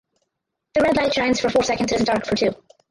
The red light shines for four seconds and is dark for two.